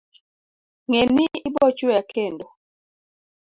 ng'e ni ibochweya kendo